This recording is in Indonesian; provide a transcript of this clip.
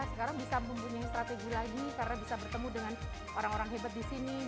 sekarang bisa mempunyai strategi lagi karena bisa bertemu dengan orang orang hebat di sini